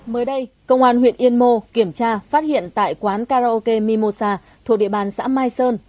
mới đây công an huyện yên mô kiểm tra phát hiện tại quán karaoke mimosa thuộc địa bàn xã mai sơn